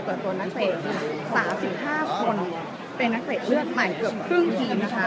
ตัวนักเตะ๓๕คนเป็นนักเตะเลือดใหม่เกือบครึ่งทีมนะคะ